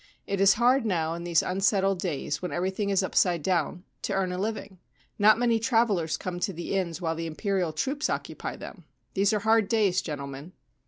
It is hard now in these unsettled days, when everything is upside down, to earn a living. Not many travellers come to the inns while the Imperial troops occupy them. These are hard days, gentlemen.'